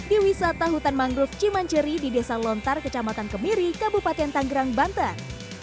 di wisata hutan mangrove cimanceri di desa lontar kecamatan kemiri kabupaten tanggerang banten